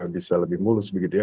bisa lebih mulus begitu ya